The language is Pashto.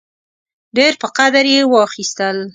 ډېر په قدر یې واخیستل.